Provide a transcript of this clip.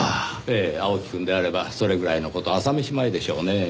ええ青木くんであればそれぐらいの事朝飯前でしょうねぇ。